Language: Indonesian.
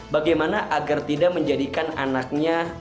bagaimana agar tidak menjadikan anaknya